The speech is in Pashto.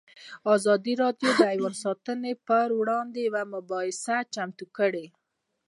ازادي راډیو د حیوان ساتنه پر وړاندې یوه مباحثه چمتو کړې.